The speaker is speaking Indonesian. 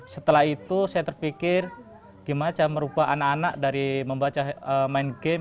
setelah itu saya terpikir gimana cara merubah anak anak dari membaca main game